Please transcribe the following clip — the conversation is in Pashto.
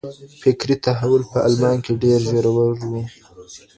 فکري تحول په المان کي ډیر ژور و.